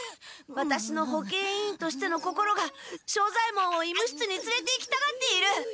ワタシの保健委員としての心が庄左ヱ門を医務室につれて行きたがっている！